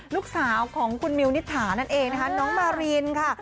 ลูกสาวของคุณมิวนิษฐานั่นเองนะคะน้องมารินค่ะ